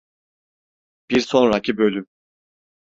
Bir sonraki bölüm…